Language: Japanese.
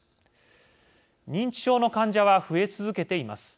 認知症の患者は増え続けています。